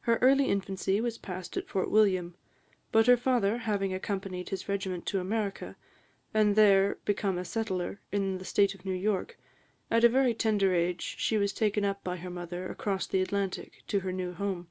Her early infancy was passed at Fort William; but her father having accompanied his regiment to America, and there become a settler, in the State of New York, at a very tender age she was taken by her mother across the Atlantic, to her new home.